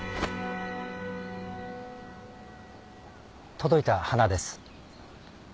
届いた花です。